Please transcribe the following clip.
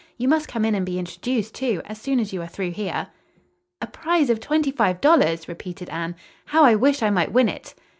You must come in and be introduced, too, as soon as you are through here." "A prize of twenty five dollars," repeated Anne. "How I wish I might win it!"